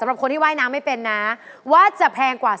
แพงกว่า๑๐๐บาทนะคะรับไป๕๐๐๐แรกค่ะ